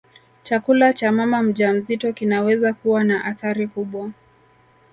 chakula cha mama mjamzito kinaweza kuwa na athari kubwa